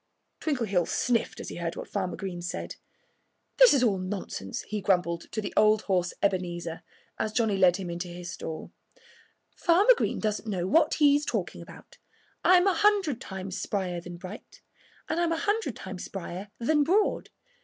Twinkleheels sniffed as he heard what Farmer Green said. "This is all nonsense," he grumbled to the old horse Ebenezer as Johnnie led him into his stall. "Farmer Green doesn't know what he's talking about. I'm a hundred times sprier than Bright. And I'm a hundred times sprier than Broad.